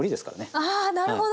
ああなるほど！